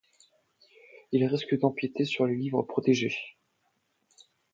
Il risque d’empiéter sur les livres projetés.